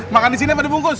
makan disini apa dibungkus